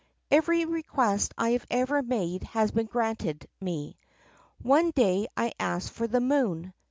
"Every request I have ever made has been granted me. One day I asked for the moon.